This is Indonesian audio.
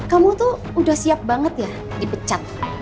kamu tuh udah siap banget ya dipecat